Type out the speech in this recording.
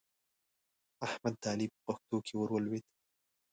احمد د علي په پښتو کې ور ولوېد.